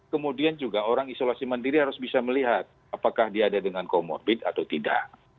kemudian juga orang isolasi mandiri harus bisa melihat apakah dia ada dengan comorbid atau tidak